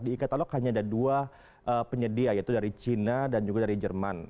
di e katalog hanya ada dua penyedia yaitu dari cina dan juga dari jerman